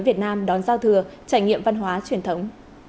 việt nam đón giao thừa trải nghiệm văn hóa truyền thống